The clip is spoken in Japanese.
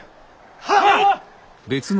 はっ！